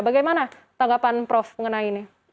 bagaimana tanggapan prof mengenai ini